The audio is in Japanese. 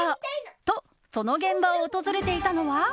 と、その現場を訪れていたのは。